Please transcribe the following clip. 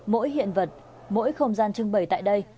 mỗi hiện vật mỗi không gian trưng bày tại đây